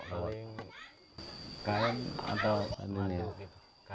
paling kain atau madu gitu